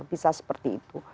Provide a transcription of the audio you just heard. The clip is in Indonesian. bisa seperti itu